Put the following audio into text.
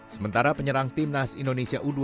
sementara penyerang tim nas indonesia u dua puluh tiga